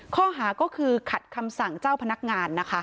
ข้อหาก็คือขัดคำสั่งเจ้าพนักงานนะคะ